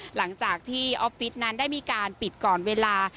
หลังจากที่ออฟฟิศนั้นได้มีการปิดก่อนเวลา